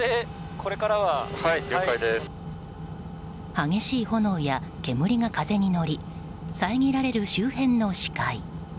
激しい炎や煙が風に乗りさえぎられる周辺の視界。